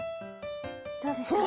どうですか？